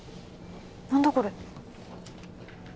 何だこれ？